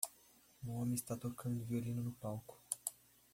Um homem está tocando um violino no palco.